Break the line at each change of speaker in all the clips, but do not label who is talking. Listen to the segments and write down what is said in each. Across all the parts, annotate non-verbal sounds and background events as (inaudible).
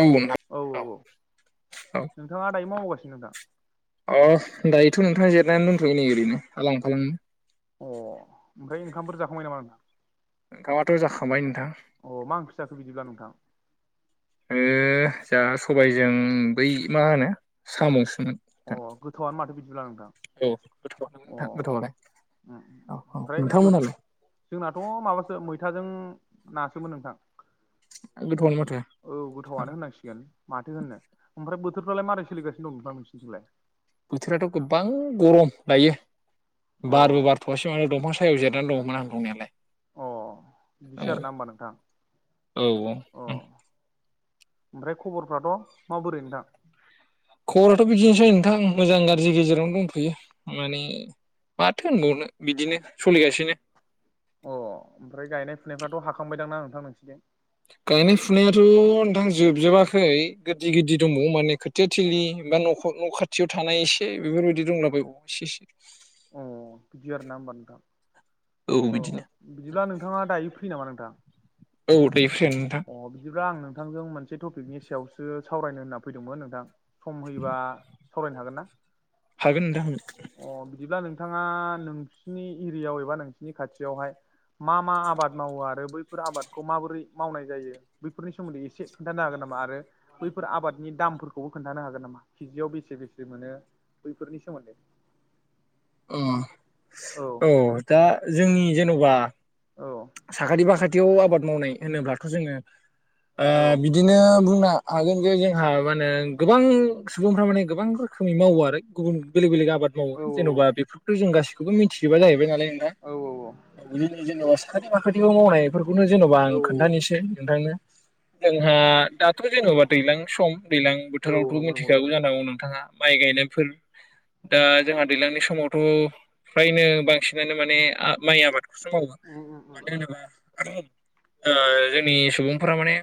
आंबो नोंथां।
औ औ औ
औ
नोंथांङा दायो मावबावगासिनो नोंथां
अ दायोथ' नोंथां जिरनानै दंथ'यो नै ओरैनो आलां फालां।
अ ओमफ्राय ओंखामफोर जाखांबाय नामा नोंथां?
ओंखामाथ' जाखांबाय नोंथां।
अ मा ओंख्रि जाखो बिदिब्ला नोंथां
ओ जोहा सबायजों बै मा होनो साम'सो
अ
नोंथां
गोथावआनो माथो बिदिब्ला नोंथां
औ गोथावानो
अ
नोंथां गोथावालाय
उम
औ
उम
औ
ओमफ्राय
नोंथांमोनालाय?
जोंनाथ' माबासो मैथाजों नासोमोन नोंथां।
गोथावानो माथो।
औ गोथावआनो होनांसिगोन माथो होननो ओमफ्राय बोथोरफ्रालाय मारै सोलिगासिनो दं नोंथां नोंसिनिथिंलाय?
बोथोराथ' गोबां गरम दायो
अ
बारबो बारथ'वासै माथो दंफां सायायाव जिरायनानै दंङमोन आं दंनायालाय।
अ
औ
बिदिसो आरोना होमबा नोंथां।
औ औ
अ ओमफ्राय खबरफ्राथ' माबोरै नोंथां?
खबराथ' बिदिनोसै नोंथां मोजां गारजि गेजेरावनो दंथ'यो। माने माथो होनबावनो बिदिनो सलिगासिनो
अ ओमफ्राय गायनाय फुनायफ्राथ' हाखांबाय दां ना नोंथां नोंसिनिथिं?
गायनाय फुनायाथ' नोंथां जोबजोबाखै गोदि गिदि दंबावो माने खोथिया थोलि बा न'ख न' खाथियाव थानाय एसे बेफोरबायदि दंला बायो एसे एसे
ओ बिदि आरोना होमबा नोंथां।
औ बिदिनो।
बिदिब्ला नोंथाङा दायो फ्रि नामा नोंथां?
औ दे फ्रियानो नोंथां।
अ बिदिब्ला आं नोंथांजों मोनसे टपिकनि सायावसो सावरायनो होनना फैदोंमोन नोंथां। सम होयोबा सावरायनो हागोन ना?
हागोन नोंथां हागोन
अ बिदिब्ला नोंथाङा नोंसिनि एरियाव एबा नोंसिनि खाथियावहाय मा मा आबाद मावो आरो बैफोर आबादखौ माबोरै मावनाय जायो? बैफोरनि सोमोन्दै एसे खोन्थानो हागोन नामा आरो बैफोर आबादनि दामफोर खौबो खोन्थानो हागोन नामा केजियाव बेसे बेसे मोनो बैफोरनि सोमोन्दै?
अ औ दा जोंनि जेन'बा
औ
साखाथि बाखाथियाव आबाद मावनाय होनोब्लाथ' जोङो ओ
औ
बि दिनो बुंनो हा-हागोन जे जोंहा मा होनो गोबां सुबुंफ्रा माने गोबां रो रोखोमै मावो आरो गुबुन बेलेग बेलेग आबाद मावो
औ
जेन'बा बेफोरखौथ' जों गासिखौबो मिनथिजोबा जाहैबाय नालाय नोंथां
औ औ औ
बिदिनो जेनेबा साखाथि फाखाथिबो मावनायफोरखौनो जेन'बा आं
औ
खोन्थानिसै नोंथांनो जोंहा दाथ' जेन'बा दैलां सम दैलां
औ
बोथोरावथ'
नंगौ नंगौ
मिथिखागौ
नोंथां
जानांगौ नोंथांङा। माइ गायनायफोर दा जोंहा दैलांनि समावथ' फ्रायनो बांसि नानो माने आ माइ आबादखौसो मावो
उम उम उम
मानो होनोबा ओ जोंनि सुबुंफोरा माने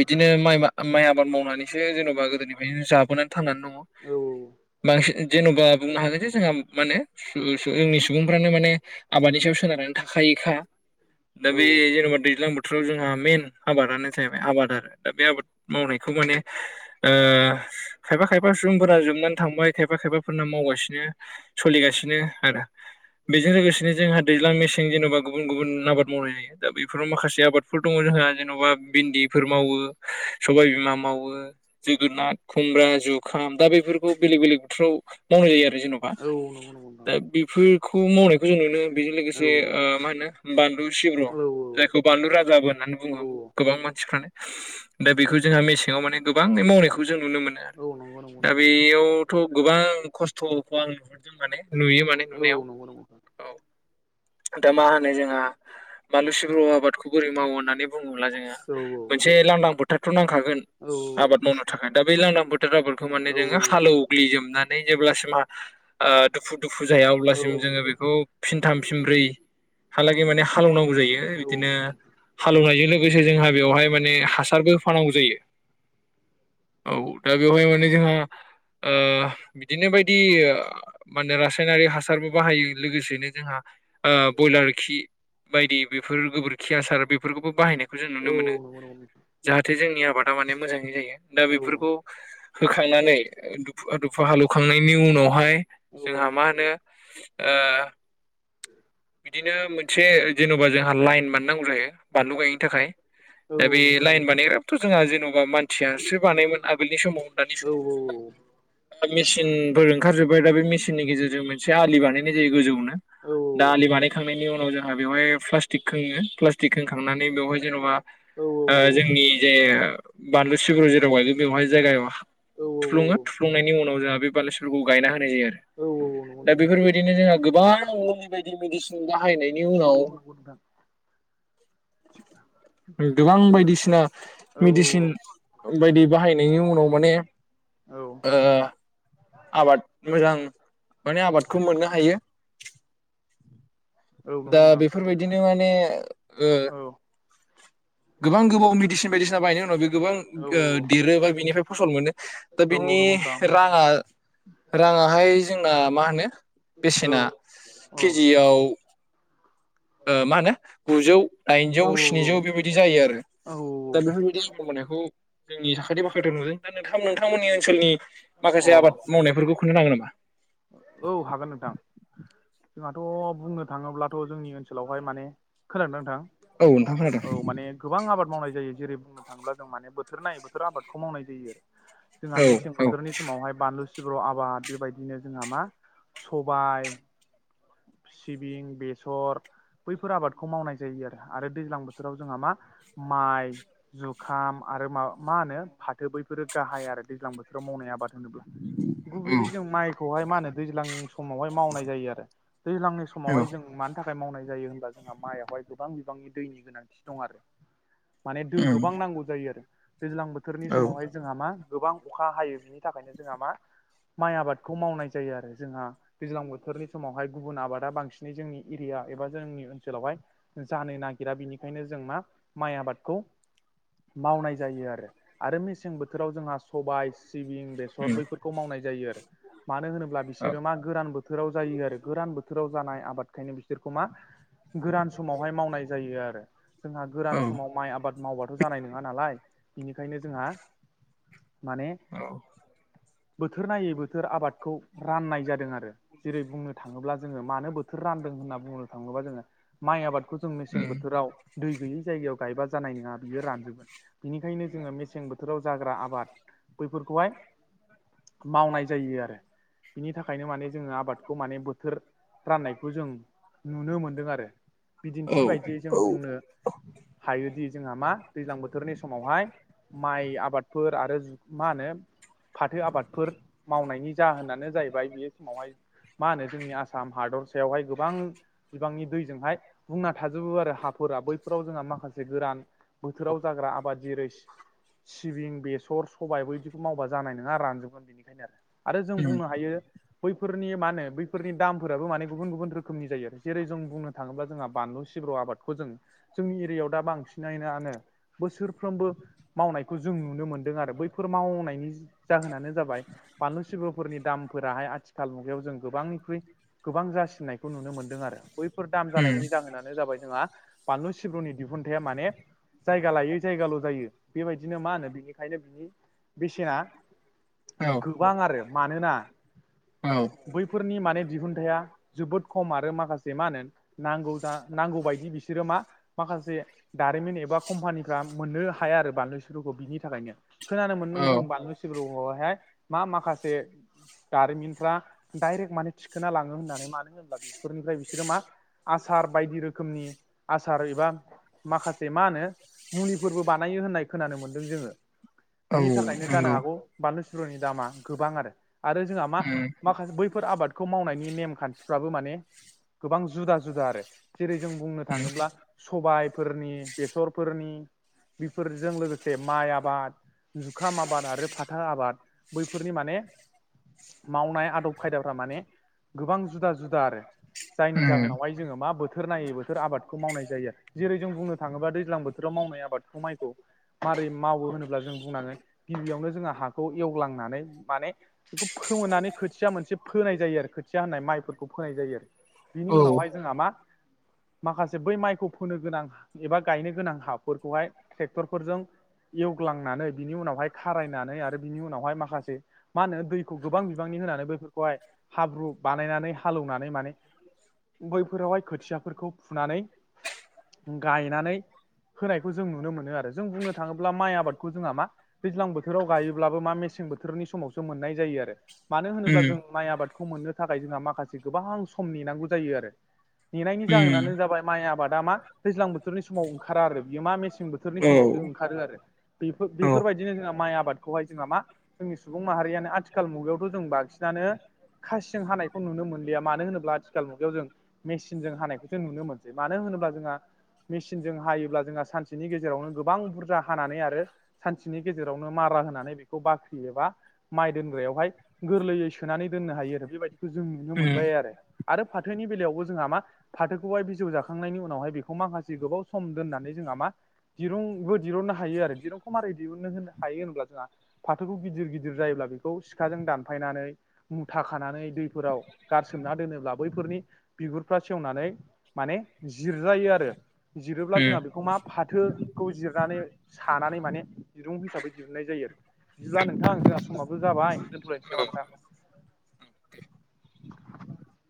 बिदिनो माइ मा माइ आबाद मावनानैसो जेन'बा गोदोनिफ्रायनो जाबोनानै थांनानै दङ।
औ।
बांसिन जेन'बा बुंनो हागोन जे जोंहा माने जो जोंनि सुबुंफ्रानो माने आबादनि सायाव सोनारनानै थाखायोखा दा
औ
बे जेन'बा दैज्लां बो थोराव जोंहा मेइन आबादानो जाहैबाय आबाद आरो दा बे आबाद मावनायखौ माने ओ खायफा खायफा सुबुंफोरना जोबनानै थांबाय खायफा खायफाफोरना मावगासिनो सलिगासिनो आरो। बेजों लोगोसेनो जोंहा दैज्लां मेसें जेन'बा गुबुन गुबुन आबाद मावनायनि दा बेफोराव माखासे आबादफोर दङ' जोंहा जेन'बा भिन्दिफोर मावो, सबाय बिमा मावो जोगोनार, खुमब्रा, जुखाम। दा बेफोरखौ बेलेग बेलेग बोथराव मावनाय जायो आरो जेन'बा।
औ नंगौ नंगौ नोंथां
दा बेफोरखौ मावनायखौ जों नुनो। बेजों
औ
लोगोसे ओ मा बानलु सिब्र'
औ औ
जायखौ बानलु राजाबो होननानै
औ
बुङो, गोबां मानसिफ्रानो दा बेखौ जोंहा मेसेङाव माने गोबाङै मावनायखौ जों नुनो मोनो।
औ नंगौ नंगौ
दा
नोंथां
बेयाव थ' गोबां खस्थ'खौ आं नुहरदों माने नुयो। माने
औ
नुनायाव
नंगौ नंगौ नोंथां
औ दा मा नै जोंहा मानु सिब्रु आबादखौ बोरै मावो होननानै बुङोब्ला जोंहा
औ
मोनसे लांदां फो थारथ' नांखागोन
औ
आबाद मावनो थाखाय। दा बै लांदां फोथार आबादखौ माने जोङो हालेव ग्लि जोबनानै जेब्लासिमहा ओ दुफु दुफु जाया
औ
अब्लासिम जोङो बेखौ फिनथाम फिनब्रै हालागै माने हालेवनांगौ जायो
औ
इदिनो
नंगौ नंगौ
हालेवनायो लोगोसे जोंहा बेवहाय माने हासारबो होफानांगौ जायो। औ दा बेवहाय माने जोंहा ओ बिदिनो बायदि माने रासायनारि हासारबो बाहायो लोगोसेनो जोंहा ओ ब्रयलार खि बायदि बेफोर गोबोरखि आसार बेफोरखौबो बाहायनाय खौ जों
औ
नुनो मोनो
नंगौ नंगौ नोंथां
जाहाथे जोंनि आबादा माने मोजाङै जायो। दा
औ
बेफोरखौ होखांनानै दुफु दुफु हालेवखांनायनि उनावहाय
औ
जोंहा मा होनो ओ बिदिनो मोनसे जेन'बा जोंहा लाइन बानायनांगौ जायो बानलु गायनो थाखाय। दा
औ
बे
नंगौ नोंथां औ नंगौ नोंथां औ नंगौ नोंथां औ नंगौ नोंथां औ नंगौ नोंथां औ
लाइन
औ
बानायनायाबोथ' जोंहा जेन'बा मान थियासो बानायोममोन आगोलनि समाव। दानि समाव दा मेसिनफोर ओंखारजोब्बाय, दा बे मेसिननि गेजेरजों मोनसे आलि बानायनाय जायो गोजौनो। दा आलि बानायखांनायनि उनाव जोंहा बेवहाय प्लास्टिक खोङो। प्लास्टिक खोंखांनानै बेवहाय जेन'बा ओ जोंनि जे बानलु सिब्र' जेराव गायगोन बेवहाय जायगायाव थुफ्लङो। थुफ्लुंनायनि उनाव जोंहा बे बानलु सिब्र'रखौ गायना होनाय जायो आरो।
औ औ औ।
दा बेफोरबायदिनो जोंहा गोबां मु लि मेडिसिन बाहायनायनि उनाव
(unintelligible) (inaudible)
गोबां बायदिसिना मेडिसिन बायदि बाहायनायनि उनाव माने ओ आबाद मोजां माने आबादखौ मोननो हायो। दा बेफोरबायदिनो माने ओ गोबां गोबाव मेडिसिन बायदिसिना बायनायनि उनाव बे गोबां ओ देरो बा बेनिफ्राय फसल मोनो। दा बिनि राङा राङाहाय जोंना मा होनो बेसेना केजियाव ओ मा होनो गुजौ, दाइनजौ, स्निजौ बेबायदि जायो आरो।
औ औ
दा
औ
बेफोरबादि इन्काम होनायखौ जोंनि साखाथि बाखाथि नुदों। दा नोंथां नोंथांमोननि ओनसोलनि
अ
माखासे आबाद मावनायफोरखौ खोन्थानो हागोन नामा?
औ हागोन नोंथां। जोंहाथ' बुंनो थाङोब्लाथ' जोंनि ओनसोलावहाय माने खोनादोंना नोंथां?
औ नोंथां खोनादों
औ माने। गोबां आबाद मावनाय जायो। जेरै बुंनो थाङोब्ला जों माने बोथोर नायै बोथोर आबादखौ मावनाय जायो आरो। जोंहा
औ
मेसें
औ
बोथोरनि समावहाय बानलु सिब्रु आबाद बेबायदिनो जोंहा मा सबाय, सिबिं, बेसर बैफोर आबादखौ मावनाय जायो आरो आरो दैज्लां बोथोराव जोंहा मा माइ जुखाम आरो मा मा होनो फाथो बैफोरो गाहाय आरो दैज्लां बोथोराव मावनाय आबाद होनोब्ला।
उम
गुबैयै जों माइ मा होनो दैज्लां समावहाय मावनाय जायो आरो दैज्लांनि
औ
समावहाय जोङो मानो थाखाय मावनाय जायो होनबा जोंहा माइआवहाय गोबां बिबांनि दैनि गोनांथि दं आरो। माने दै गोबां नांगौ जायो आरो दैज्लां बोथोरनि
उम
समावहाय। जोंहा मा गोबां अखा हायो बिनि थाखायनो जोंहा मा माइ आबादखौ मावनाय जायो आरो जोंहा। दैज्लां बोथोरनि समावहाय गुबुन आबादा बांसिनै जोंनि एरिया एबा जोंनि ओनसोलावहाय जानो नागिरा बिनिखायनो जों मा माइ आबादखौ मावनाय जायो आरो आरो मेसें बोथोराव जोंहा सबाय सिबिं बेसर बैफोरखौ मावनाय जायो आरो मानो होनोब्ला बिसोरो मा गोरान ब बोथोराव जायो आरो गोरान बोथोराव जानाय आबादखायनो बिसोरखौ मा गोरान मावहाय मावनाय जायो आरो जोंहा
औ
गोरान समाव माइ आबाद मावबा जानाय नङा नालाय बेनिखायनो जोंहा माने
औ
बोथोर नायै बोथोर आबादखौ राननाय जादों आरो जेरै बुंनो थाङोब्ला जोङो मानो बोथोर रानदों होन्ना बुंनो थाङोबा जोङो माइ आबादखौ जों मेसें बोथोराव दै गैयि जायगायाव गायबा जानाय नङा बियो रानजोबगोन। बिनिखायनो जोङो मेसें बोथोराव जाग्रा आबाद बैफोरखौहाय मावनाय जायो आरो। बिनि थाखायनो माने जोङो आबादखौ माने बोथोर राननायखौ जों नुनो मोनदों आरो। बिदिन्थि बायदियै जों बुंनो हायोदि जोंहा मा दैज्लां बोथोरनि समावहाय माइ आबादफोर आरो मा होनो फाथो आबादफोर मावनायनि जाहोनानो जाहैबाय बे समावहाय मा होनो जोंनि आसाम हादर सायावहाय गोबां बिबांनि दैजोंहाय बुंना थाजोबो आरो हाफोरा बैफोराव जोंहा माखासे गोरान बोथोराव जाग्रा आबाद जिरैस सिबिं, बेसर, सबायबो बिदिखौ मावबा जानाय नङा रानजोबगोन बेनिखायनो आरो। आरो जों
उम
बुंनो हायो बैफोरनि मा होन बैफोरनि दामफोराबो माने गुबुन गुबुन रोखोमनि जायो। जेरै जों बुंनो थाङोब्ला जोंहा बानलु सिब्र' आबाद जों जोंनि एरियायाव दा बांसिननानो बोसोरफ्रोमबो मावनायखौ जों नुनो मोनदों आरो बैफोर मावनायनि जाहोनानो जाबाय बानलु सिब्रफोरनि दामफोराहाय आथिखाल मुगायाव जों गोबांनिख्रुइ गोबां जासिननायखौ नुनो मोन्दों आरो। बैफोर दाम
उम
जानायनि जाहोनानो जाबाय जोंहा बानलु सिब्रुनि दिहुनथाया माने जायगा लायै जायगाल' जायो। बेबायदिनो मा होनो बिनिखायनो बिनि बेसेना
औ
गोबां आरो मानोना
औ
बैफोरनि माने दिहुनथाइया जोबोद खम आरो माखासे मा होनो नांगौ जा नांगौ बायदि बिसोरो मा माखासे दारिमिन एबा कम्पानिफ्रा मोननो हाया आरो बानलु सिब्रखौ बिनि थाखायनो खोनानो मोनदों जों
औ
बानलु सि (unintelligible) मा माखासे दारिमिनफ्रा डाइरेक्ट माने थिखोना लाङो होननानै मानो होनब्ला बेफोरनिफ्राय बिसोरो मा आसार बायदि रोखोमनि आसार एबा माखासे मा होनो मुलिफोरबो बानायो होननाय खोनानो मोनदों जोङो।
औ
बिनि थाखायनो जानो
नंगौ
हागौ बानलु सिब्रनि दामा गोबां आरो आरो जोंहा मा
उम
माखासे बैफोर आबादखौ मावनायनि नेम खान्थिफ्राबो माने गोबां जुदा जुदा आरो। जेरै जों बुंनो
उम
थाङोब्ला सबायफोरनि बेसरफोरनि बेफोरजों लोगोसे माइ आबाद जुखाम आबाद आरो फाथा आबाद बैफोरनि माने मावनाय आदब खायदाफ्रा माने गोबां जुदा जुदा आरो। जायनि
उम
जाहोनावहाय जोङो मा बोथोर नायै बोथोर आबादखौ मावनाय जायो जेरै जों बुंनो थाङोबा दैज्लां बोथोराव मावनाय आबादखौ माइखौ मारै मावो होनोब्ला जों बुंनाङो गिबियावनो जोंहा हाखौ एवलां नानै माने बेखौ फोमोननानै खोथिया मोनसे फोनाय जायो आरो खोथिया होननाय माइफोरखौ फोनाय जायो आरो बिनि
औ
उनावहाय जोंहा मा माखासे बै माइखौ फोनो गोनां एबा गायनो गोनां हाफोरखौहाय ट्रेक्टरफोरजों एवग्लांनानै बिनि उनावहाय खारायनानै आरो बिनि उनावहाय मा खासे मा होनो दैखौ गोबां बिबांनि होनानै बैफोरखौहाय हाब्रु बानायनानै हालेवनानै माने बैफोरावहाय खोथियाफोरखौ फुनानै गायनानै होनायखौ जों नुनो मोनो आरो जों बुंनो थाङोब्ला माइ आबादखौ जोंहा मा दैज्लां बोथोराव गायोब्लाबो मा मेसें बोथोरनि समावसो मोननाय जायो आरो। मानो होनोब्ला
उम
जों माइ आबादखौ मोननो थाखाय जोंहा माखासे गोबां सम नेनांगौ जायो आरो नेनायनि
उम
जाहोनानो जाबाय माइ आबादा मा दैजां बोथोरनि समाव ओंखारा आरो बियो मा मेसें बो बेफोरोरनि
औ
समावसो ओंखारो आरो बेफोर
औ
बेफोरबायदिनो जोंहा माइ आबादखौहाय जोंहा मा जोंनि सुबुं माहारियानो आथिखाल मुगायावथ' जों बांसिनानो खासिजों हानायखौ नुनो मोनलिया मानो होनोब्ला आथिखाल मुगायाव जों मेचिनजों हानायखौ जों नुनो मोनसै मानो होनोब्ला जोंहा मेसिनजों हायोब्ला जोंहा सानसेनि गेजेरावनो गोबां बुरजा हानानै आरो सानसेनि गेजेरावनो मारा होनानै बेखौ बाख्रि एबा माइ दोनग्रायावहाय गोरलैयै सोनानै दोननो हायो आरो बेबायदि जों नुनो
उम
मोनबाय आरो आरो फाथोनि बेलायावबो जोंहा मा फाथोखौहाय बिजौ जाखांनायनि उनावहाय बेखौ माखासे गोबाव सम दोननानै जोंहा मा? दिरुंबो दहुननो हायो आरो दिरुंखौ मारै दिहुननो होनो हायो होनब्ला जोंहा फाथोखौ गिदिर गिदिर जायोब्ला बेखौ सिखाजों दानफायनानै मुथा खानानै दैफोराव गारसोमना दोनोब्ला बैफोरनि बिगुरफ्रा सेवनानै माने जिरजायो आरो जिरोब्ला
उम
जोंहा बे मा फाथोखौ जिरनानै सानानै माने दिरुं हिसाबै दिहुननाय जायो आरो बिदिब्ला नोंथां जोंहा समावाब जाबाय दोनथ'लनोसै नामा
औ
नोंथां?